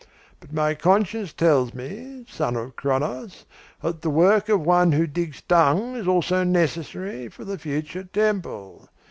But my conscience tells me, son of Cronos, that the work of one who digs dung is also necessary for the future temple.